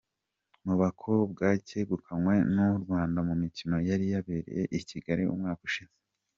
Mu bakobwa cyegukanwe n’u Rwanda mu mikino yari yabereye i Kigali umwaka ushize.